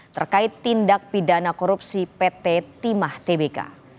terkait tindak pidana korupsi pt timah tbk